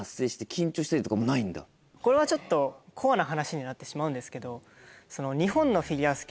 これはちょっとコアな話になってしまうんですけど。